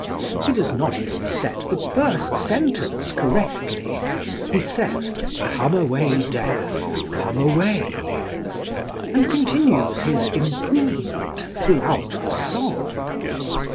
He does not even set the first sentence correctly; he says, "Come away, Death, come away," and continues his "improvement" throughout the song.